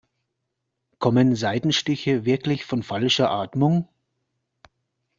Kommen Seitenstiche wirklich von falscher Atmung?